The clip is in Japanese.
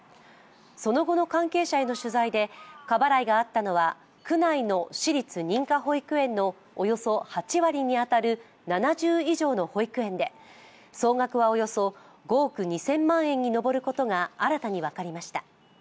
その後の関係者への取材で過払いがあったのは区内の私立認可保育園のおよそ８割に当たる７０以上の保育園で、総額はおよそ５億２０００万円に上ることが新たに分かりました。